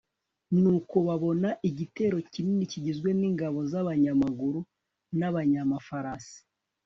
nuko babona igitero kinini kigizwe n'ingabo z'abanyamaguru n'abanyamafarasi